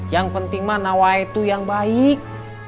yang penting mah nawai itu yang baik